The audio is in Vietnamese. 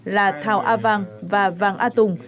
là thảo a vàng và vàng a tùng